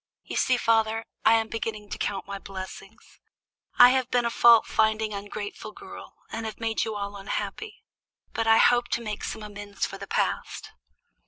You see, father, I am beginning to count my blessings. I have been a fault finding, ungrateful girl, and have made you all unhappy; but I hope to make some amends for the past."